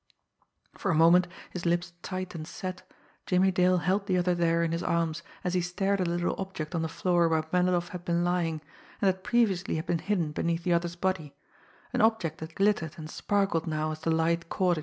For a moment, his lips tight and set, Jimmie Dale held the other there in his arms, as he stared at a little object on the floor where Melinoff had been lying, and that previously had been hidden beneath the other's body an object that glittered and sparkled now as the light caught it.